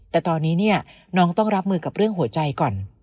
แต่ตอนนี้เนี่ยน้องต้องรับมือกับเรื่องหัวใจก่อน